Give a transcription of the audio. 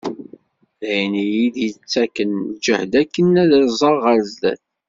D ayen i yi-d-yettaken lǧehd akken ad aẓeɣ ɣer zzat.